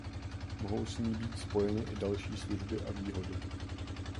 Mohou s ní být spojeny i další služby a výhody.